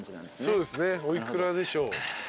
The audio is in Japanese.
そうですねお幾らでしょう？